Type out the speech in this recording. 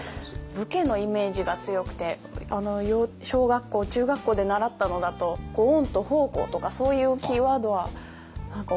武家のイメージが強くて小学校中学校で習ったのだとそういうキーワードは何か覚えてますね。